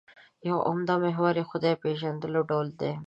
یو عمده محور یې خدای پېژندنې ډول دی.